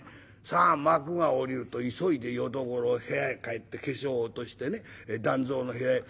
さあ幕が下りると急いで淀五郎部屋へ帰って化粧落としてね団蔵の部屋へ。